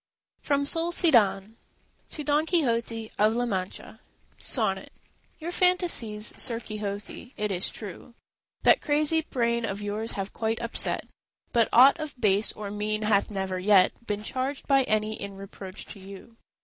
FROM SOLISDAN To Don Quixote of La Mancha SONNET Your fantasies, Sir Quixote, it is true, That crazy brain of yours have quite upset, But aught of base or mean hath never yet Been charged by any in reproach to you.